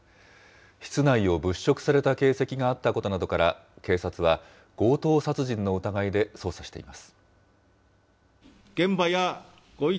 室内を物色された形跡があったことなどから、警察は強盗殺人の疑いで捜査しています。